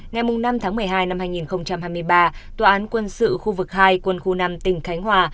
ngày năm tháng một mươi hai năm hai nghìn hai mươi ba tòa án quân sự khu vực hai quân khu năm tỉnh khánh hòa